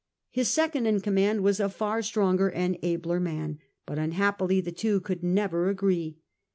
His second in command was a far stronger and abler man, but unhappily the two could never agree.